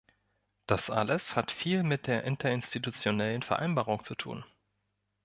Das alles hat viel mit der Interinstitutionellen Vereinbarung zu tun.